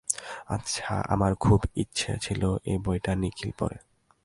আমার খুব ইচ্ছে ছিল এ বইটা নিখিল পড়ে।